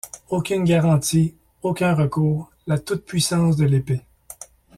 Aucune garantie, aucun recours, la toute-puissance de l’épée.